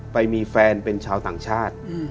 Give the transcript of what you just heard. ไปมีแฟนเป็นชาวต่างชาติ